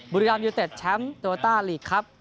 บุรีรามยูเต็ดแชมป์โตโยต้าลีกครับ